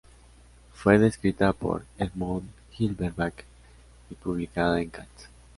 Fue descrita por Edmund Gilbert Baker y publicada en "Cat.